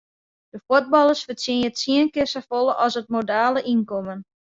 Dy fuotballers fertsjinje tsien kear safolle as it modale ynkommen.